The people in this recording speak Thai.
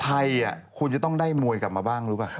ไทยอ่ะคงจะต้องได้มวยกลับมาบ้างรู้ปะ